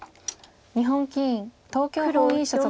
日本棋院東京本院所属。